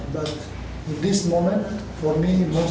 tapi saat ini untuk saya yang paling penting adalah